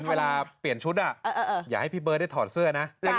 เวลาเปลี่ยนชุดอย่าให้พี่เบิร์ตได้ถอดเสื้อนะ